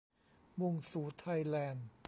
มุ่งสู่ไทยแลนด์